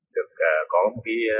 được có một cái